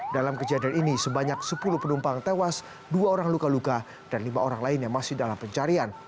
dalam kejadian ini sebanyak sepuluh penumpang tewas dua orang luka luka dan lima orang lainnya masih dalam pencarian